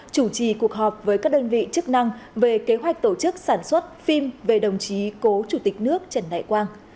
chủ trì cuộc họp với các đơn vị chức năng về kế hoạch tổ chức sản xuất phim về đồng chí cố chủ tịch nước trần đại quang